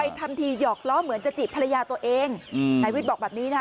ทำทีหยอกล้อเหมือนจะจีบภรรยาตัวเองอืมนายวิทย์บอกแบบนี้นะฮะ